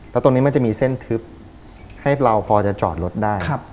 แล้วตรงนี้มันจะมีเส้นทึบให้เราพอจะจอดรถได้